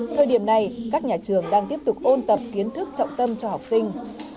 thời điểm này các nhà trường đang tiếp tục ôn tập kiến thức trọng tâm cho học sinh